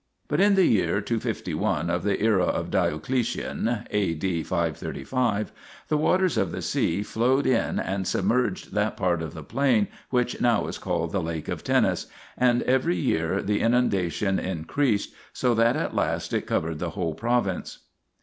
... But in the year 251 of the era of Dio cletian (A. D. 535) the waters of the sea flowed in and submerged that part of the plain which now is called the Lake of Tennis, and every year the inundation increased, so that at last it covered the whole province.'